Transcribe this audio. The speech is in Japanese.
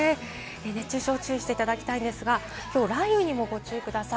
熱中症に気をつけていただきたいんですが、きょうは雷雨にもご注意ください。